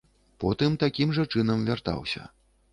Потым такім жа чынам вяртаўся.